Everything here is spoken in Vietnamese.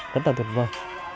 rất là tuyệt vời